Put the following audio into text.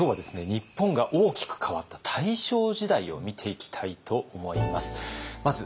日本が大きく変わった大正時代を見ていきたいと思います。